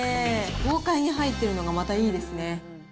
豪快に入ってるのがまたいいですね。